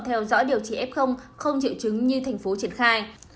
theo dõi điều trị f không triệu chứng như thành phố triển khai